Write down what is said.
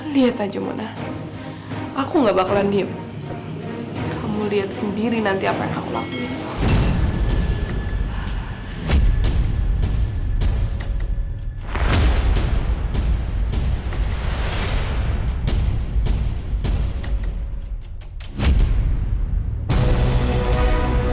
lihat aja mona aku nggak bakalan game kamu lihat sendiri nanti apa yang aku lakukan